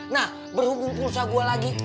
nah berhubung pulsa gue lagi